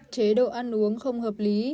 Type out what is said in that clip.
chế độ ăn uống không hợp lý